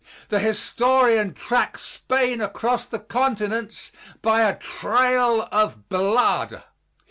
The historian tracks Spain across the continents by a trail of blood.